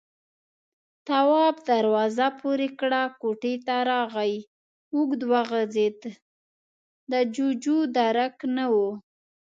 تواب دروازه پورې کړه، کوټې ته راغی، اوږد وغځېد، د جُوجُو درک نه و.